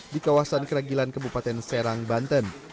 di kawasan keragilan kabupaten serang banten